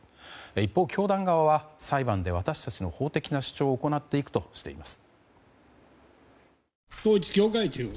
一方、教団側は裁判で私たちの法的な主張を行っていくとしています。